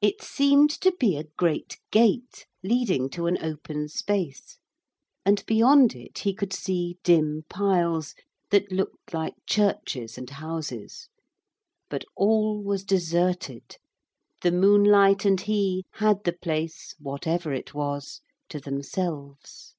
It seemed to be a great gate leading to an open space, and beyond it he could see dim piles that looked like churches and houses. But all was deserted; the moonlight and he had the place, whatever it was, to themselves.